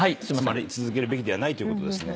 続けるべきではないということですね。